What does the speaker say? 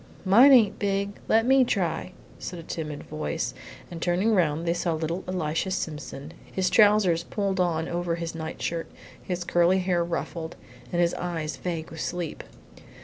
"Mine ain't big; let me try," said a timid voice, and turning round, they saw little Elisha Simpson, his trousers pulled on over his night shirt, his curly hair ruffled, his eyes vague with sleep.